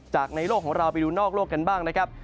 ในโลกของเราไปดูนอกโลกกันบ้างนะครับ